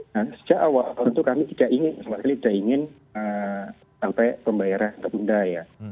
nah sejak awal tentu kami tidak ingin sampai pembayaran tertunda ya